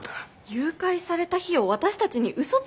誘拐された日を私たちにうそついてたってことですか？